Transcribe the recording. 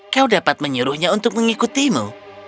kau dapat menyuruhnya untuk mengikutimu